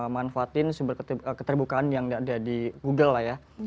manfaatin sumber keterbukaan yang ada di google lah ya